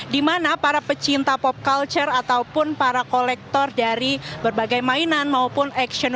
di mana para pecinta pop culture ataupun para kolektor dari berbagai mainan maupun action